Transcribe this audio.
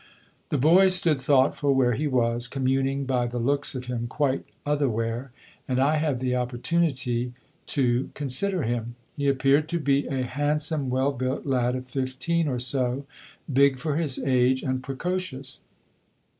The boy stood thoughtful where he was, communing by the looks of him quite otherwhere, and I had the opportunity to consider him. He appeared to be a handsome, well built lad of fifteen or so, big for his age, and precocious.